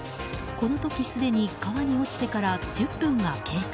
この時、すでに川に落ちてから１０分が経過。